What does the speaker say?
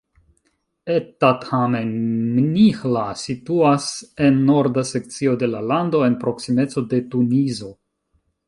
Ettadhamen-Mnihla situas en norda sekcio de la lando en proksimeco de Tunizo.